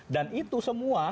dan itu semua